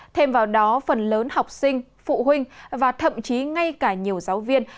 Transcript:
thêm vào đó phần lớn học sinh phụ huynh và thậm chí ngay cả nhiều giáo viên